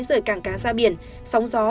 rời cảng cá ra biển sóng gió